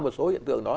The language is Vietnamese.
một số hiện tượng đó